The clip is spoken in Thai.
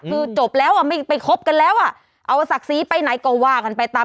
คือจบแล้วอ่ะไม่ไปคบกันแล้วอ่ะเอาศักดิ์ศรีไปไหนก็ว่ากันไปตาม